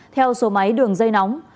theo số máy đường dây nóng